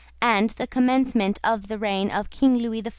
and the Commencement of the Reign of King Louis XIV."